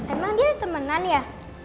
emang dia udah temenan ya